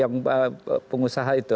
yang pengusaha itu